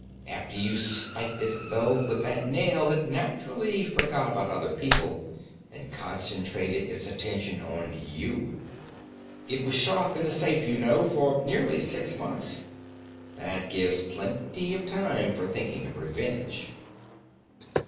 After you spiked it through with that nail it naturally forgot about other people, and concentrated its attention on you. It was shut up in the safe, you know, for nearly six months. That gives plenty of time for thinking of revenge."